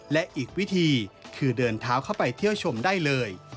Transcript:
และอีกวิธีคือเดินเท้าเข้าไปเที่ยวชมได้เลย